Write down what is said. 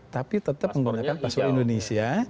tapi tetap menggunakan bahasa indonesia